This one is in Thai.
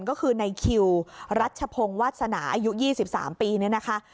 ก็คือในคิวรัชพงศ์วาสนาอายุ๒๓ปีเนี่ยนะคะ